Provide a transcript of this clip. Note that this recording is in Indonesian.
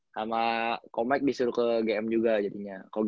sama komik disuruh ke gm juga jadinya